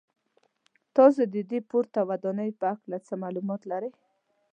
تاسو د دې پورته ودانۍ په هکله څه معلومات لرئ.